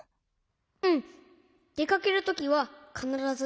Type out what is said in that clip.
うん。でかけるときはかならず。